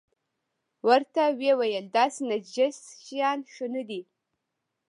ورته ویې ویل داسې نجس شیان ښه نه دي.